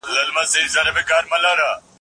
په ځان شرمیږمه تنها ورځمه